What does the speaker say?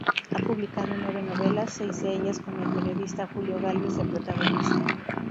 Ha publicado nueve novelas, seis de ellas con el periodista Julio Gálvez de protagonista.